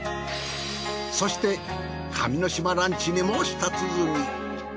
そして神の島ランチにも舌鼓。